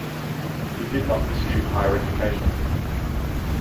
He did not pursue higher education.